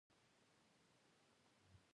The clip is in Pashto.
کوتره په ونو ناسته ده.